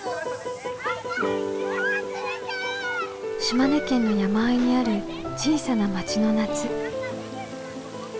島根県の山あいにある小さな町の夏。